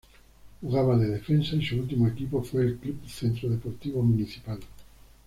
Jugaba de defensa y su último equipo fue el Club Centro Deportivo Municipal.